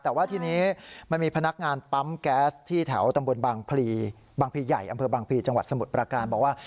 แต่ว่าทีนี้มันมีพนักงานปั๊มแก๊สที่แถวตำบลบางพลีบางพลีใหญ่อำเภอบางพลีจังหวัดสมุทรประการบอกว่า